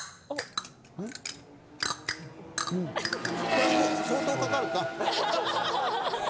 これは相当かかるな。